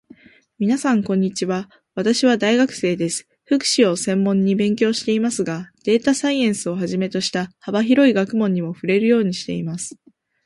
みなさん、こんにちは。私は大学生です。福祉を専門に勉強していますが、データサイエンスをはじめとした幅広い学問にも触れるようにしています。